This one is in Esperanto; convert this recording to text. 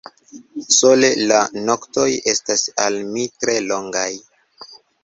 Sole la noktoj estas al mi tre longaj.